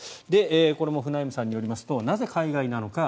これもフナイムさんによりますとなぜ海外なのか。